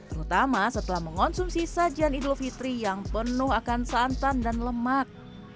terutama setelah mengonsumsi sajian idul fitri yang penuh akan santan dan lemak